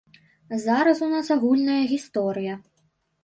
Зараз у нас агульная гісторыя.